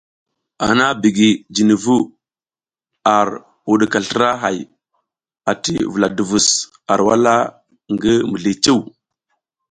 Hana bigi jini vu, ar wuɗika slra hay ati vula duvus ar wala ngi mizli cuw.